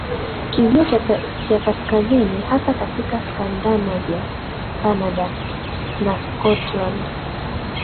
Kizio cha Kaskazini hasa katika Scandinavia Kanada na Scotland